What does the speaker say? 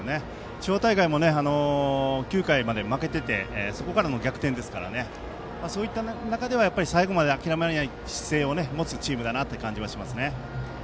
地方大会も９回まで負けててそこからの逆転ですからそういった中では最後まで諦めない姿勢を持つチームだなという感じがします。